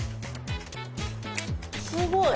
すごい。